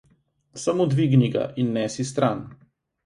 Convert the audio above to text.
Samo dvigni ga in nesi stran.